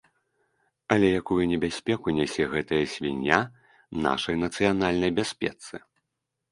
Але якую небяспеку нясе гэтая свіння нашай нацыянальнай бяспецы?